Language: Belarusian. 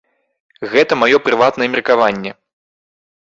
Гэта маё прыватнае меркаванне.